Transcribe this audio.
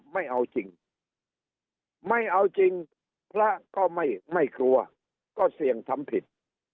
ไม่เอาจริงไม่เอาจริงพระก็ไม่กลัวก็เสี่ยงทำผิด